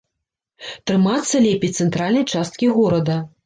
Трымацца лепей цэнтральнай часткі горада.